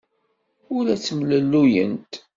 Ur la ttemlelluyent.